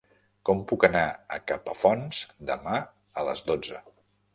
Com puc anar a Capafonts demà a les dotze?